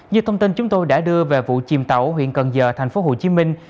như thông tin chúng tôi đã đưa về vụ chìm tàu ở huyện cần giờ thành phố hồ chí minh